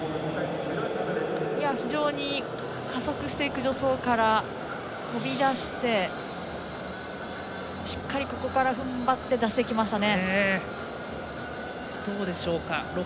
非常に加速していく助走から飛び出してしっかりここからふんばって出していきましたね。